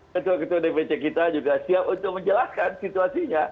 ketua ketua dpc kita juga siap untuk menjelaskan situasinya